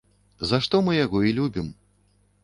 За што мы яго і любім.